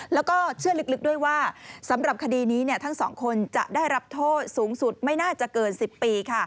แล้วก็เชื่อลึกด้วยว่าสำหรับคดีนี้ทั้งสองคนจะได้รับโทษสูงสุดไม่น่าจะเกิน๑๐ปี